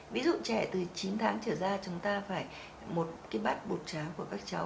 ví dụ trẻ từ chín tháng trở ra chúng ta phải một cái bát bột tráng của các cháu